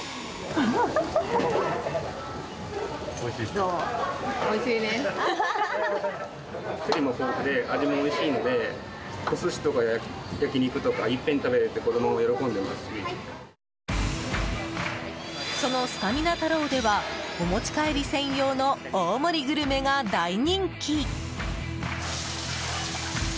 その、すたみな太郎ではお持ち帰り専用の大盛りグルメが大人気！